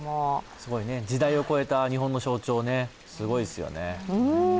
すごい、時代を超えた日本の象徴すごいですよね。